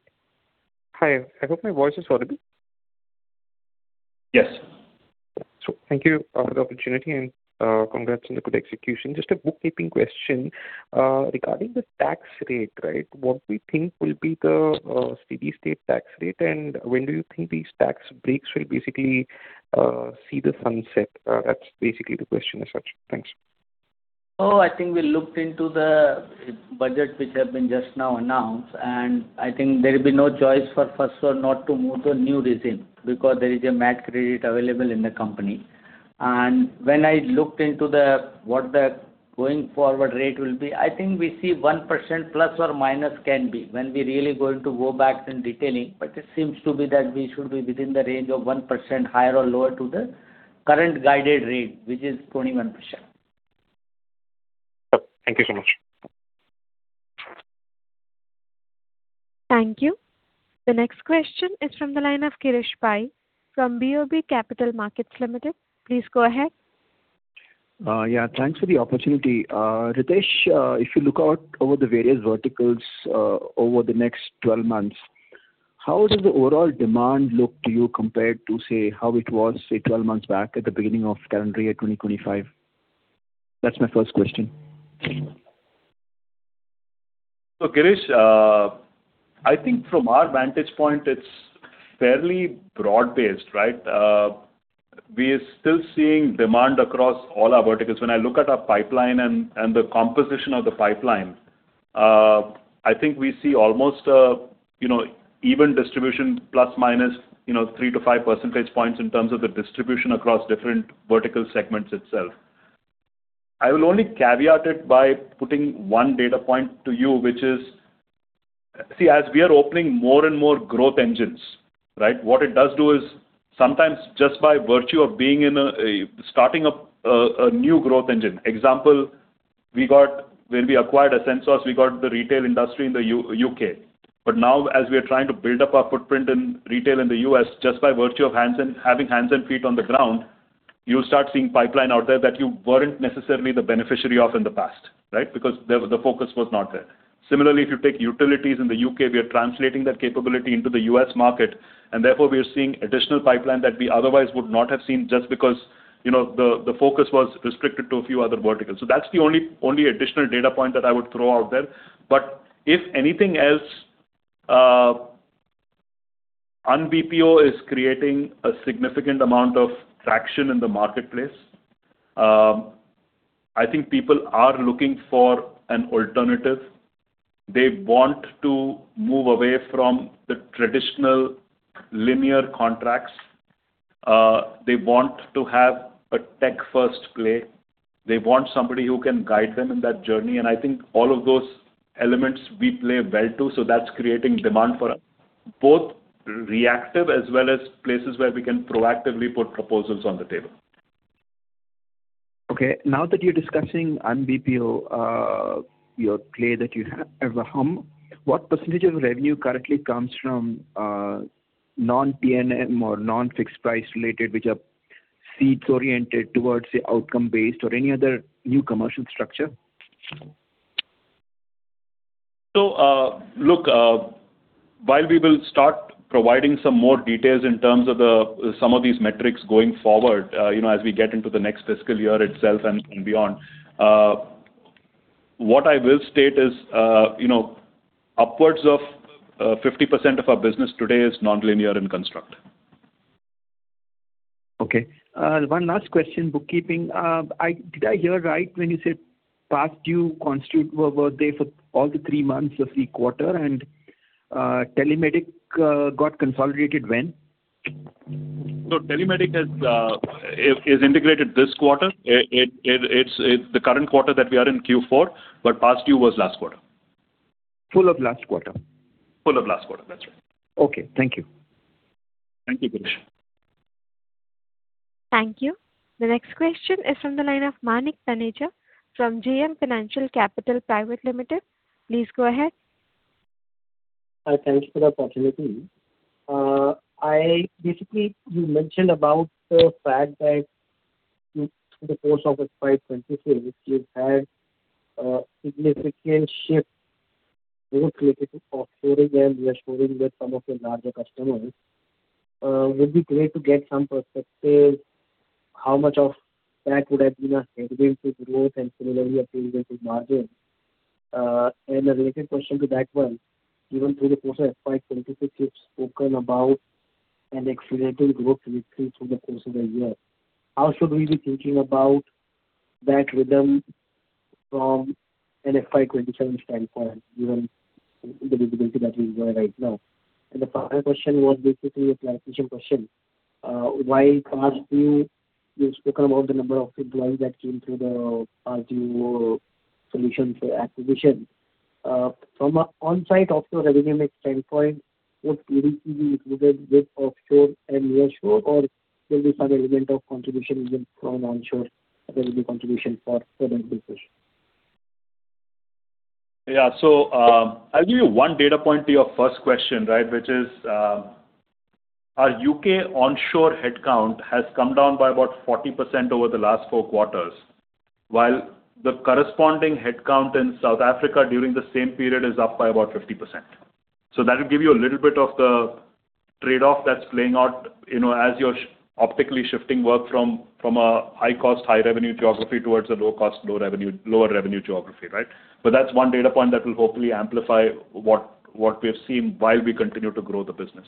Hi, I hope my voice is audible. Yes. Thank you for the opportunity and, congrats on the good execution. Just a bookkeeping question. Regarding the tax rate, right? What we think will be the steady state tax rate, and when do you think these tax breaks will basically see the sunset? That's basically the question as such. Thanks. Oh, I think we looked into the budget, which have been just now announced, and I think there will be no choice for Firstsource not to move to new regime, because there is a MAT credit available in the company. When I looked into the, what the going forward rate will be, I think we see 1% ± can be when we're really going to go back in detailing, but it seems to be that we should be within the range of 1% higher or lower to the current guided rate, which is 21%. Sure. Thank you so much. Thank you. The next question is from the line of Girish Pai, from BOB Capital Markets Limited. Please go ahead. Yeah, thanks for the opportunity. Ritesh, if you look out over the various verticals, over the next 12 months, how does the overall demand look to you compared to, say, how it was, say, 12 months back at the beginning of calendar year 2025? That's my first question. So Girish, I think from our vantage point, it's fairly broad-based, right? We are still seeing demand across all our verticals. When I look at our pipeline and the composition of the pipeline, I think we see almost, you know, even distribution ± 3-5 percentage points in terms of the distribution across different vertical segments itself. I will only caveat it by putting one data point to you, which is... See, as we are opening more and more growth engines, right? What it does do is sometimes just by virtue of being in a starting up a new growth engine. Example, we got, when we acquired Ascensos, we got the retail industry in the U.K. But now, as we are trying to build up our footprint in retail in the U.S., just by virtue of having hands and feet on the ground, you start seeing pipeline out there that you weren't necessarily the beneficiary of in the past, right? Because the focus was not there. Similarly, if you take utilities in the U.K., we are translating that capability into the U.S. market, and therefore we are seeing additional pipeline that we otherwise would not have seen just because, you know, the focus was restricted to a few other verticals. So that's the only, only additional data point that I would throw out there. But if anything else, Un-BPO is creating a significant amount of traction in the marketplace. I think people are looking for an alternative. They want to move away from the traditional linear contracts. They want to have a tech-first play. They want somebody who can guide them in that journey, and I think all of those elements we play well to, so that's creating demand for us, both reactive as well as places where we can proactively put proposals on the table. Okay, now that you're discussing Un-BPO, your play that you have as a, what percentage of revenue currently comes from, non-T&M or non-fixed price related, which are seats oriented towards the outcome-based or any other new commercial structure? So, look, while we will start providing some more details in terms of the, some of these metrics going forward, you know, as we get into the next fiscal year itself and, and beyond. What I will state is, you know, upwards of, 50% of our business today is non-linear in construct. Okay. One last question, bookkeeping. Did I hear right when you said Past Due Credit Solutions were there for all the three months of the quarter, and TeleMedik got consolidated when? So TeleMedik is integrated this quarter. It's the current quarter that we are in Q4, but Pastdue was last quarter. Full of last quarter? Full of last quarter. That's right. Okay, thank you. Thank you, Girish. Thank you. The next question is from the line of Manik Taneja from JM Financial Capital Private Limited. Please go ahead. Hi, thank you for the opportunity. I basically, you mentioned about the fact that through the course of FY 2023, you've had a significant shift both related to offshoring and nearshoring with some of your larger customers. Would be great to get some perspective, how much of that would have been a headwind to growth and similarly, a tailwind to margin? And a related question to that one, even through the course of FY 2023, you've spoken about an accelerating growth through, through the course of the year. How should we be thinking about that rhythm from an FY 2027 standpoint, given the visibility that we enjoy right now? And the final question was basically a clarification question. While in the past, you, you've spoken about the number of employees that came through the Retail BPO acquisition. From an on-site-offshore dynamic standpoint, would it be included with offshore and nearshore, or there'll be some element of contribution even from onshore? There will be contribution for further business? Yeah, so, I'll give you one data point to your first question, right? Which is, our U.K. onshore headcount has come down by about 40% over the last 4 quarters, while the corresponding headcount in South Africa during the same period is up by about 50%. So that'll give you a little bit of the trade-off that's playing out, you know, as you're optically shifting work from, from a high-cost, high-revenue geography towards a low-cost, low-revenue, lower-revenue geography, right? But that's one data point that will hopefully amplify what, what we have seen while we continue to grow the business.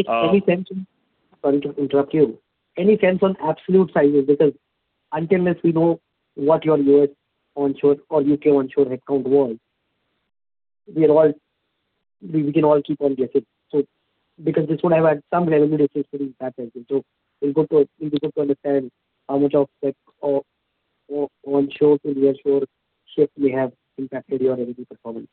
Sorry to interrupt you. Any sense on absolute sizes? Because until, unless we know what your US onshore or U.K. onshore headcount was, we are all—we can all keep on guessing. So because this would have had some revenue impact as well, so it'll be good to, it'll be good to understand how much of that onshore to nearshore shift may have impacted your revenue performance.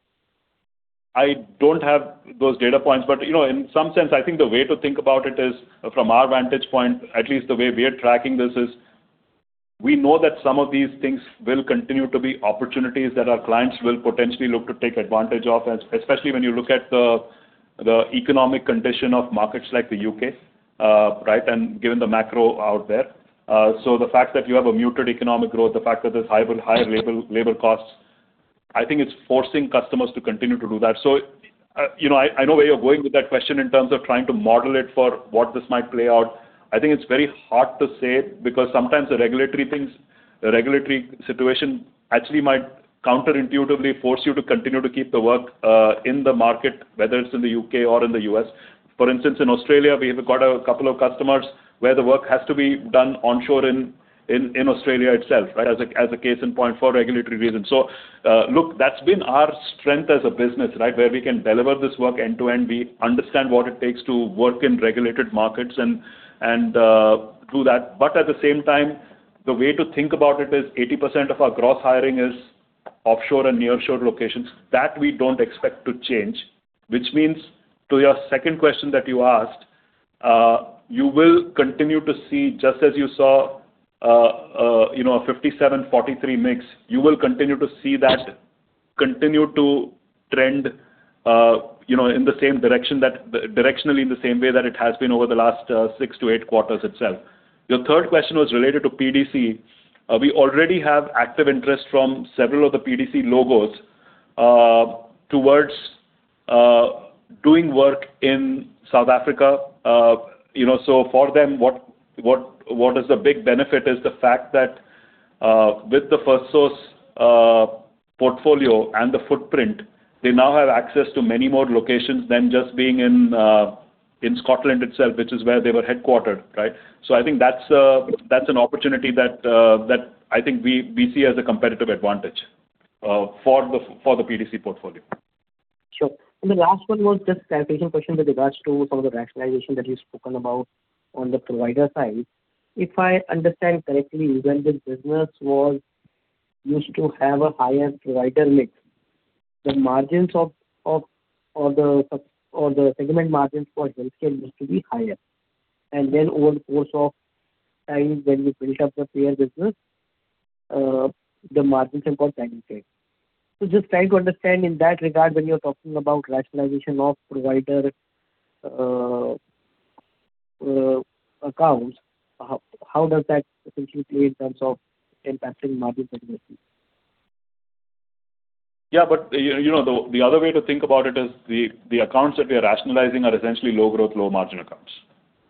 I don't have those data points, but, you know, in some sense, I think the way to think about it is from our vantage point, at least the way we are tracking this is, we know that some of these things will continue to be opportunities that our clients will potentially look to take advantage of, especially when you look at the economic condition of markets like the U.K., right, and given the macro out there. So, the fact that you have a muted economic growth, the fact that there's higher labor costs, I think it's forcing customers to continue to do that. So, you know, I know where you're going with that question in terms of trying to model it for what this might play out. I think it's very hard to say, because sometimes the regulatory things, the regulatory situation actually might counterintuitively force you to continue to keep the work in the market, whether it's in the U.K. or in the U.S. For instance, in Australia, we have got a couple of customers where the work has to be done onshore in Australia itself, right? As a case in point for regulatory reasons. So, look, that's been our strength as a business, right? Where we can deliver this work end-to-end. We understand what it takes to work in regulated markets and do that. But at the same time, the way to think about it is 80% of our gross hiring is offshore and nearshore locations. That we don't expect to change. Which means, to your second question that you asked, you will continue to see, just as you saw, you know, a 57%-43% mix, you will continue to see that continue to trend, you know, directionally, in the same way that it has been over the last six to eight quarters itself. Your third question was related to PDC. We already have active interest from several of the PDC logos towards doing work in South Africa. You know, so for them, what is the big benefit is the fact that, with the Firstsource portfolio and the footprint, they now have access to many more locations than just being in Scotland itself, which is where they were headquartered, right? So I think that's, that's an opportunity that, that I think we, we see as a competitive advantage, for the PDC portfolio. Sure. And the last one was just a clarification question with regards to some of the rationalization that you've spoken about on the provider side. If I understand correctly, when this business was used to have a higher provider mix, the segment margins for healthcare used to be higher. And then over the course of time, when you finish up the payer business, the margins have got impacted. So just trying to understand in that regard, when you're talking about rationalization of provider accounts, how does that essentially play in terms of impacting margin contribution? Yeah, but you know, the other way to think about it is the accounts that we are rationalizing are essentially low growth, low margin accounts,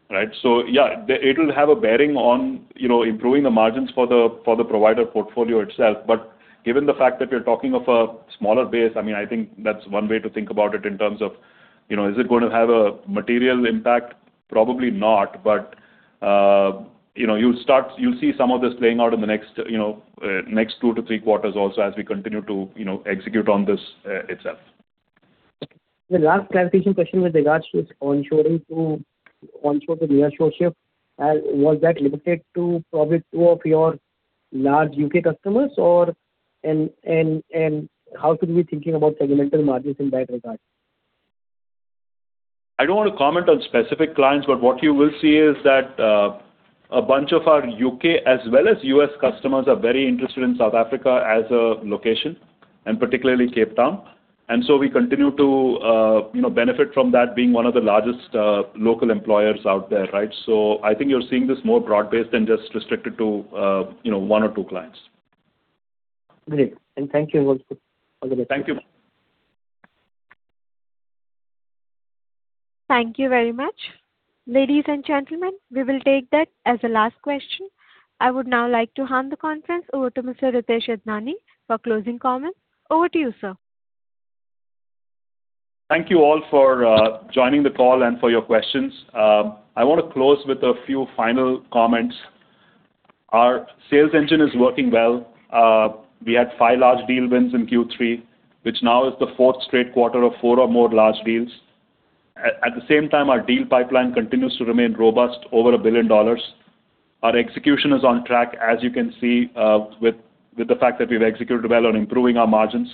right? So yeah, it will have a bearing on, you know, improving the margins for the provider portfolio itself. But given the fact that we're talking of a smaller base, I mean, I think that's one way to think about it in terms of, you know, is it going to have a material impact? Probably not. But you know, you'll start-you'll see some of this playing out in the next, you know, next two to three quarters also, as we continue to, you know, execute on this itself. The last clarification question with regards to onshoring to onshore to nearshore shift was that limited to probably two of your large U.K. customers, or... And how should we be thinking about segmental margins in that regard? I don't want to comment on specific clients, but what you will see is that, a bunch of our U.K. as well as U.S. customers are very interested in South Africa as a location, and particularly Cape Town. And so we continue to, you know, benefit from that being one of the largest, local employers out there, right? So I think you're seeing this more broad-based than just restricted to, you know, one or two clients. Great. Thank you once again. Thank you. Thank you very much. Ladies and gentlemen, we will take that as the last question. I would now like to hand the conference over to Mr. Ritesh Idnani for closing comments. Over to you, sir. Thank you all for joining the call and for your questions. I want to close with a few final comments. Our sales engine is working well. We had five large deal wins in Q3, which now is the 4th straight quarter of four or more large deals. At the same time, our deal pipeline continues to remain robust, over $1 billion. Our execution is on track, as you can see, with the fact that we've executed well on improving our margins.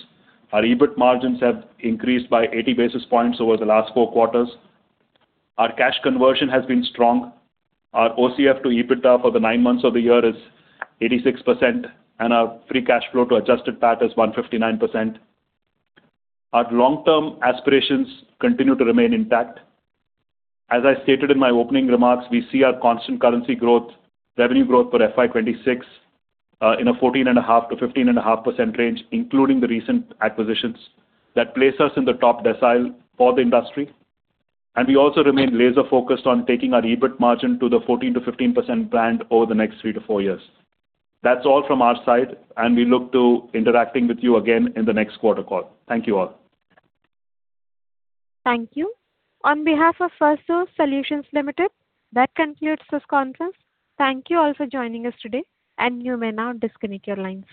Our EBIT margins have increased by 80 basis points over the last four quarters. Our cash conversion has been strong. Our OCF to EBITDA for the nine months of the year is 86%, and our free cash flow to adjusted PAT is 159%. Our long-term aspirations continue to remain intact. As I stated in my opening remarks, we see our constant currency growth, revenue growth for FY 2026 in a 14.5%-15.5% range, including the recent acquisitions, that place us in the top decile for the industry. We also remain laser focused on taking our EBIT margin to the 14%-15% planned over the next three to four years. That's all from our side, and we look to interacting with you again in the next quarter call. Thank you, all. Thank you. On behalf of Firstsource Solutions Limited, that concludes this conference. Thank you all for joining us today, and you may now disconnect your lines.